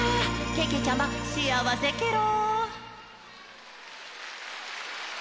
けけちゃま、しあわせケロ！」